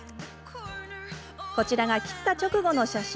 こちらが、切った直後の写真。